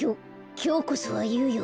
きょうこそはいうよ。